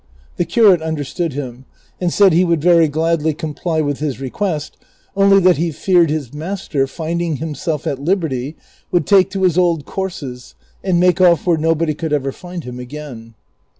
The curate understood him, and said he would very gladly comply with his request, only that he feared his master, finding himself at liberty, would take to his old courses and make off where nobody could ever find him again.